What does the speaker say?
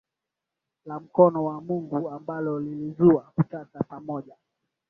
La mkono wa Mungu ambalo lilizua utata pamoja